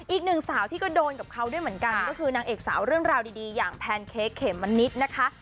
อีกหนึ่งสาวที่โดนกับเขาก็คือนางเอกสาวเริ่มราวดีอย่างแพนเค้กเขมมันนิสต์นะคะ